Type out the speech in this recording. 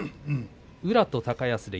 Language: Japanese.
宇良と高安です。